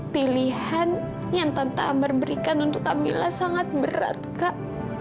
pilihan yang tante ambar berikan untuk kamila sangat berat kak